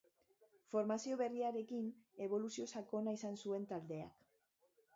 Formazio berriarekin eboluzio sakona izan zuen taldeak.